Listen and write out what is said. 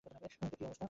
তো কী অবস্থা?